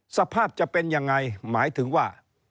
สภาพจะเป็นยังไงหมายถึงว่า